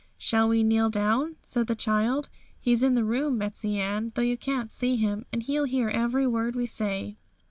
'Shall we kneel down?' said the child. 'He's in the room, Betsey Ann, though you can't see Him, and He'll hear every word we say.'